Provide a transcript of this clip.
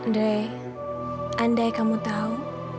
dre andai kamu tahu